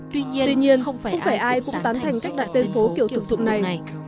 tuy nhiên không phải ai cũng tán thành các đại tên phố kiểu thực dụng này